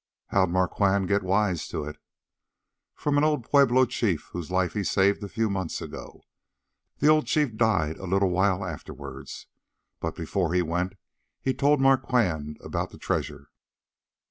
"How'd Marquand get wise to it?" "From an old Pueblo Chief whose life he saved a few months ago. The old chief died a little while afterwards, but before he went, he told Marquand about the treasure."